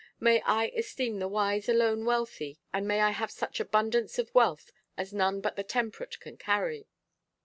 May I esteem the wise alone wealthy, and may I have such abundance of wealth as none but the temperate can carry.